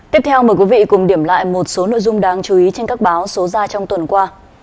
tiếp theo mời quý vị cùng điểm lại một số nội dung đáng chú ý trên các báo số ra trong tuần qua